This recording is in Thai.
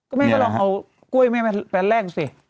ก็แม่ก็ลองเอากล้วยแม่แฟนแรกสิ